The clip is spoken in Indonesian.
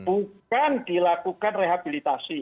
bukan dilakukan rehabilitasi